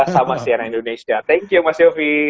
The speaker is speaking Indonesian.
sama sian indonesia thank you mas sofi